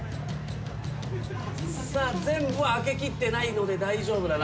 さあ全部開けきってないので大丈夫だな。